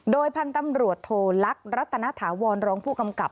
โดยพันธุ์ตำรวจโทลักษณ์รัตนถาวรรองผู้กำกับ